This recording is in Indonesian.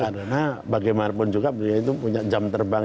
karena bagaimanapun juga beliau itu punya jam terbang